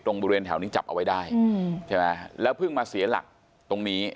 บริเวณแถวนี้จับเอาไว้ได้ใช่ไหมแล้วเพิ่งมาเสียหลักตรงนี้